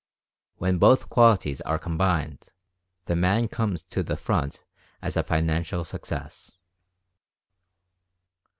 When both qualities are combined the man comes to the front as a financial success.